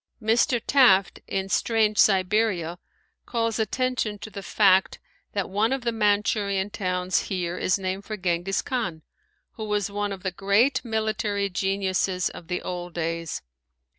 Mr. Taft, in "Strange Siberia," calls attention to the fact that one of the Manchurian towns here is named for Genghis Khan, who was one of the great military geniuses of the old days.